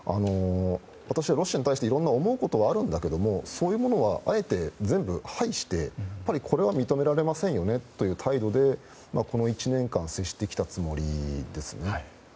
私はロシアに対していろいろ思うところはあるんだけどそういうものはあえて全部、排してこれは認められませんよねという態度でこの１年間接してきたつもりですね。